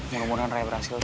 mudah mudahan raya berhasil